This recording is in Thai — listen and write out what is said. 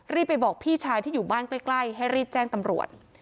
รีบไปบอกพี่ชายที่อยู่บ้านใกล้ให้รีบแจ้งตำรวจ